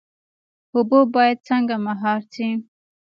اوبه باید څنګه مهار شي؟